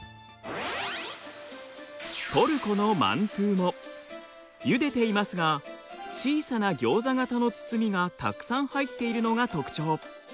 トルコのマントゥもゆでていますが小さなギョーザ型の包みがたくさん入っているのが特徴。